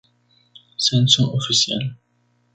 Censo oficial